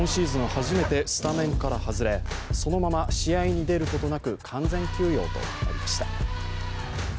初めてスタメンから外れ、そのまま試合に出ることなく、完全休養となりました。